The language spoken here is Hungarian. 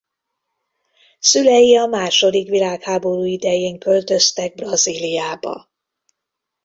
Szülei a második világháború idején költöztek Brazíliába.